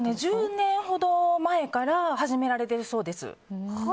１０年ほど前から始められてるそうです。